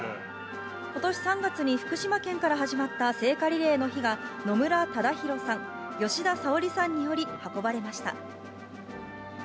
ことし３月に福島県から始まった聖火リレーの火が野村忠宏さん、吉田沙保里さんにより運ばれました。